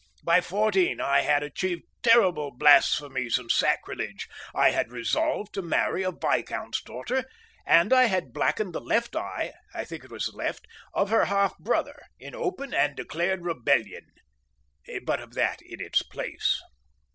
By fourteen I had achieved terrible blasphemies and sacrilege; I had resolved to marry a viscount's daughter, and I had blacked the left eye—I think it was the left—of her half brother, in open and declared rebellion. But of that in its place.